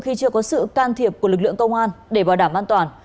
khi chưa có sự can thiệp của lực lượng công an để bảo đảm an toàn